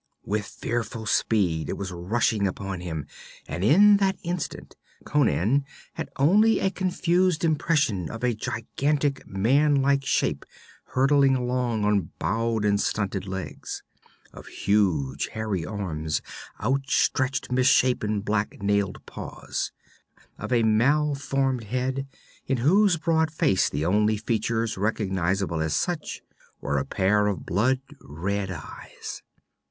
_ With fearful speed it was rushing upon him, and in that instant Conan had only a confused impression of a gigantic man like shape hurtling along on bowed and stunted legs; of huge hairy arms outstretching misshapen black nailed paws; of a malformed head, in whose broad face the only features recognizable as such were a pair of blood red eyes.